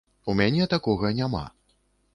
У мяне такога няма.